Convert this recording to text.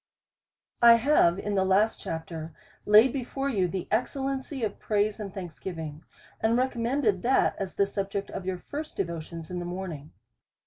1 have in the last chapter laid before you the excel lency of praise and thanksgiving, and recommended that as the subject of your first devotions in the morn ing.